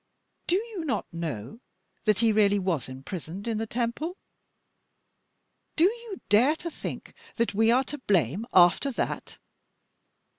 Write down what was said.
Do you not know that he really was imprisoned in the Temple? Do you dare to think that we are to blame after that?